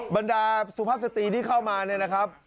บรรดาสุภาพสตรีที่เข้ามาเนี่ยนะครับ